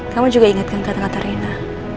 kamu juga ingatkan kata kata rina